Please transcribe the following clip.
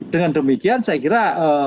dengan demikian saya kira